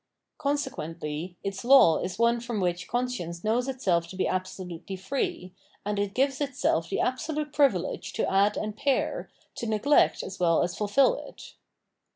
^' Consequently, its law is one from which conscience knows itself to be absolutely free, and it gives itself the absolute privilege to add and pare, to neglect as well as fulfil it.